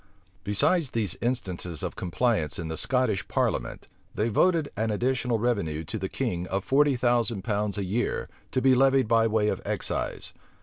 Besides these instances of compliance in the Scottish parliament, they voted an additional revenue to the king of forty thousand pounds a year, to be levied by way of excise.